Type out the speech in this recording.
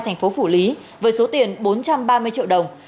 thành phố phủ lý với số tiền bốn trăm ba mươi triệu đồng